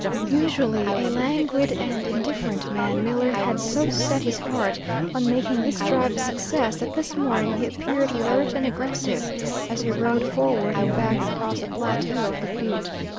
Usually a languid and indifferent man, Miller had so set his heart on making this drive a success that this morning he appeared alert and aggressive as he rode forward and back across the plateau of the Butte.